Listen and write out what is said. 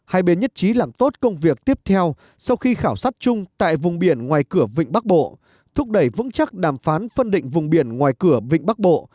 hai bên nhất trí làm tốt công việc tiếp theo sau khi khảo sát chung tại vùng biển ngoài cửa vịnh bắc bộ thúc đẩy vững chắc đàm phán phân định vùng biển ngoài cửa vịnh bắc bộ